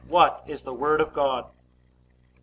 What is the Word of God? A.